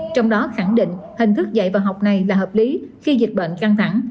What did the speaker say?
trong đó khẳng định hình thức dạy và học này là hợp lý khi dịch bệnh căng thẳng